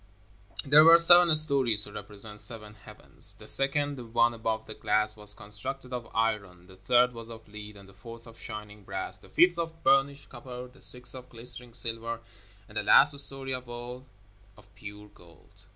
There were seven stories to represent seven heavens. The second, the one above the glass, was constructed of iron, the third was of lead, the fourth of shining brass, the fifth of burnished copper, the sixth of glistening silver, and the last story of all, of pure gold.